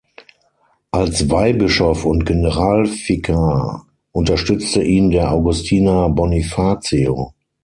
Als Weihbischof und Generalvikar unterstützte ihn der Augustiner Bonifacio.